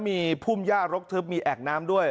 มีพุ่มย่ารกทึบมีแอ่งน้ำด้วย